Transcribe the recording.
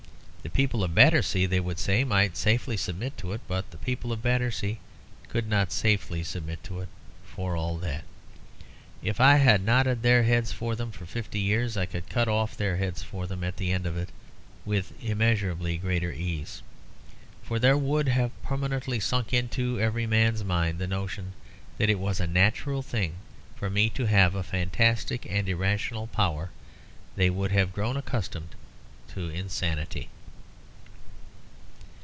The people of Battersea, they would say, might safely submit to it. But the people of Battersea could not safely submit to it, for all that. If I had nodded their heads for them for fifty years I could cut off their heads for them at the end of it with immeasurably greater ease. For there would have permanently sunk into every man's mind the notion that it was a natural thing for me to have a fantastic and irrational power. They would have grown accustomed to insanity.